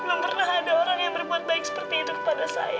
belum pernah ada orang yang berbuat baik seperti itu kepada saya